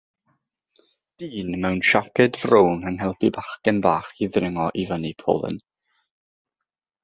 Dyn mewn siaced frown yn helpu bachgen bach i ddringo i fyny polyn.